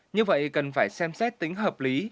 như vậy cần phải xem xét tính hợp lý